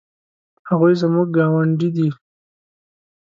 هغوی زموږ ګاونډي دي